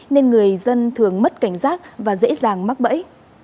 nên người dân thường mất cảnh giác và dễ dàng mắc bẫy